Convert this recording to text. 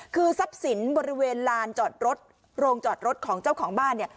คือทรัพย์สินบริเวณลานจอดรถโรงจอดรถของเจ้าของบ้าน